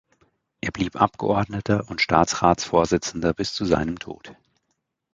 Er blieb Abgeordneter und Staatsratsvorsitzender bis zu seinem Tod.